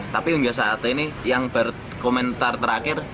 tapi hingga saat ini yang berkomentar terakhir